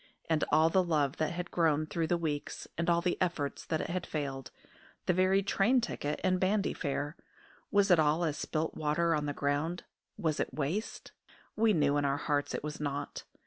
And all the love that had grown through the weeks, and all the efforts that had failed, the very train ticket and bandy fare was it all as water spilt on the ground? Was it waste? We knew in our hearts it was not.